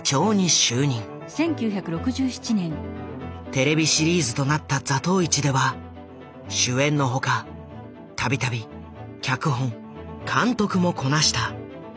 テレビシリーズとなった「座頭市」では主演の他度々脚本監督もこなした。